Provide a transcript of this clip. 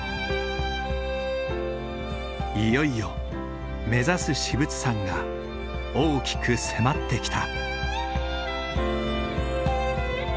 いよいよ目指す至仏山が大きく迫ってきた。